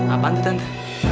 apaan tuh tante